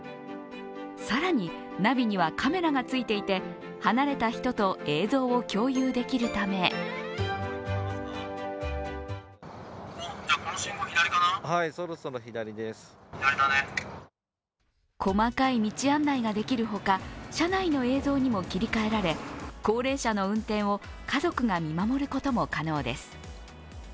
更にナビにはカメラがついていて離れた人と映像を共有できるため細かい道案内ができるほか、車内の映像にも切り替えられ高齢者の運転を家族が見守ることも可能です。